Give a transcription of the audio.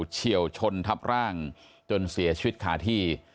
เชี่ยวชนทับร่างจนเสียชีวิตขาที่